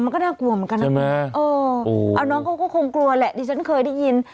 มันก็น่ากลัวเหมือนกันนะเออเอาน้องเขาก็คงกลัวแหละดิฉันเคยได้ยิน